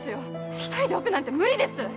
１人でオペなんて無理です！